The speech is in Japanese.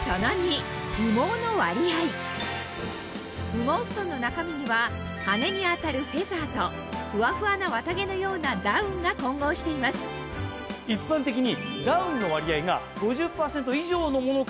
羽毛ふとんの中身には羽根に当たるフェザーとフワフワな綿毛のようなダウンが混合しています一般的に。